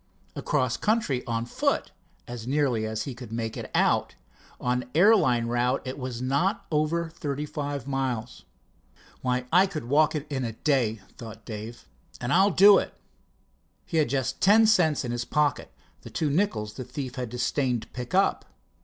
Across country on foot, as nearly as he could make it out, on air line route it was not over thirty five miles. "Why, I could walk it in a day," thought Dave—"and I'll do it!" He had just ten cents in his pocket—the two nickels the thief had disdained to pick up.